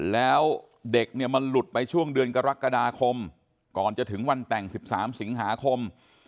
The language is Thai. แล้วเด็กเนี่ยมันหลุดไปช่วงเดือนกรกฎาคมก่อนจะถึงวันแต่ง๑๓สิงหาคม